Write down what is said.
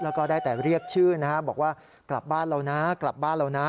แล้วก็ได้แต่เรียกชื่อนะฮะบอกว่ากลับบ้านเรานะกลับบ้านเรานะ